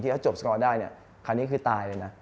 ที่จะจบสกอร์ดได้เนี่ยครั้งนี้คือตายเลยนะ